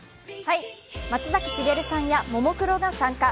松崎しげるさんやももクロが参加。